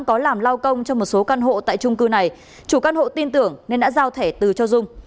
có làm lao công cho một số căn hộ tại trung cư này chủ căn hộ tin tưởng nên đã giao thẻ từ cho dung